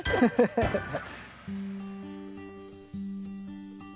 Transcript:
ハハハッ。